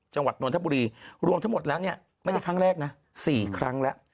จังหวัดนทบุรีรวมทั้งหมดแล้วเนี่ยไม่ได้ครั้งแรกนะ๔ครั้งแล้ว